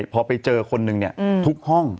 พอไปเจอคนหนึ่งทุกห้อง